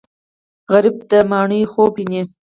غریب د ماڼیو خوب ویني